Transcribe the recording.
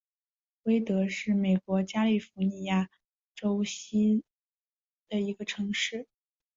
威德是美国加利福尼亚州锡斯基尤县的一座城市。